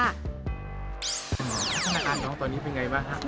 พัฒนาการน้องตอนนี้เป็นอย่างไรบ้างคะ